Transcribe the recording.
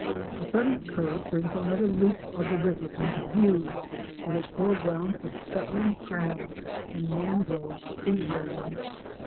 A sudden curve brings another loop of the river into view, with a foreground of scuttling crabs and mangrove seedlings.